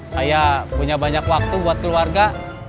saya punya banyak waktu buat keluarga